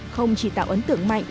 không chỉ tạo ấn tượng mạnh